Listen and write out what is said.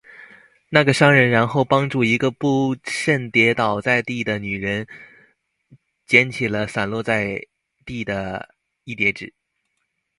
那个商人然后帮助一个不慎跌倒在地的女人捡起了散落在地的一叠纸。